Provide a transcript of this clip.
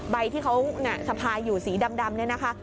ใบที่เขาสะพายอยู่สีดำเนี่ยนะคะ